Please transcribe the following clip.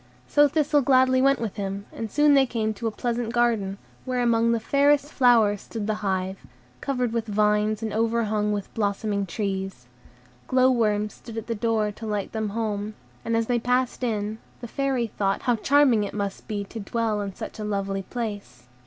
So Thistle gladly went with him, and soon they came to a pleasant garden, where among the fairest flowers stood the hive, covered with vines and overhung with blossoming trees. Glow worms stood at the door to light them home, and as they passed in, the Fairy thought how charming it must be to dwell in such a lovely place.